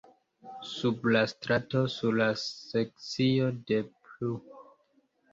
Sub la strato, sur la sekcio de pl.